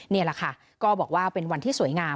นี่แหละค่ะก็บอกว่าเป็นวันที่สวยงาม